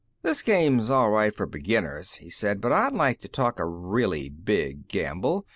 "This game's all right for beginners," he said. "But I'd like to talk a really big gamble.